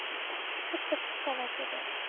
ちょっと切っただけだよ